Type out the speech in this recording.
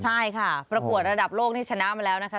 ใช่ค่ะประกวดระดับโลกนี่ชนะมาแล้วนะคะ